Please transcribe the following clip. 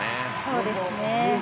そうですね。